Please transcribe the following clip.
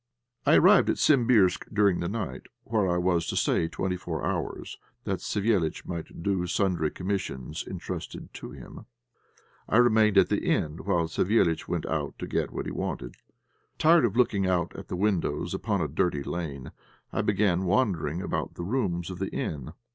I arrived at Simbirsk during the night, where I was to stay twenty four hours, that Savéliitch might do sundry commissions entrusted to him. I remained at an inn, while Savéliitch went out to get what he wanted. Tired of looking out at the windows upon a dirty lane, I began wandering about the rooms of the inn.